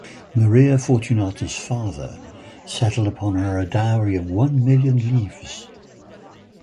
Maria Fortunata's father settled upon her a dowry of one million "livres".